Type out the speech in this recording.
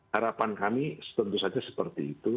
harapan kami tentu saja seperti itu